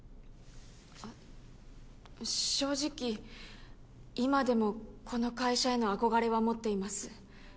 あっ正直今でもこの会社への憧れは持っています。